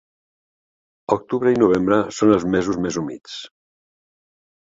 Octubre i novembre són els mesos més humits.